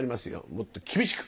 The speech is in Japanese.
もっと厳しく！